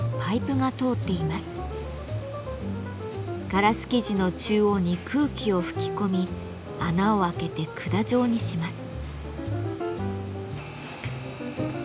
ガラス素地の中央に空気を吹き込み穴を開けて管状にします。